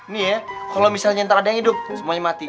nih ya kalau misalnya ntar ada yang hidup semuanya mati